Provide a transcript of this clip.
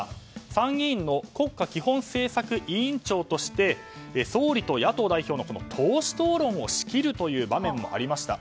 参議院の国家基本政策委員長として総理と野党代表の党首討論を仕切るという場面もありました。